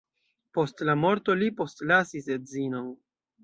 Post la morto li postlasis edzinon.